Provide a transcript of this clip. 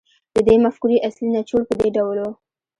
د دې مفکورې اصلي نچوړ په دې ډول و